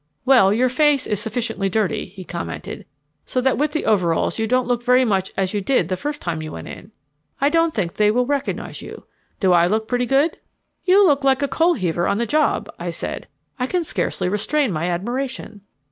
"Well, your face is sufficiently dirty," he commented, "so that with the overalls you don't look very much as you did the first time you went in. I don't think they will recognize you. Do I look pretty good?" "You look like a coal heaver on the job," I said. "I can scarcely restrain my admiration."